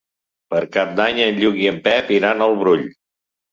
Per Cap d'Any en Lluc i en Pep iran al Brull.